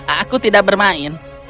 aku tidak bermain